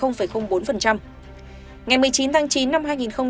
ngày một mươi chín tháng chín năm hai nghìn hai mươi